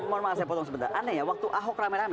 mohon maaf saya potong sebentar aneh ya waktu ahok rame rame